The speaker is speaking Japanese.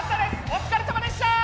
お疲れさまでしたー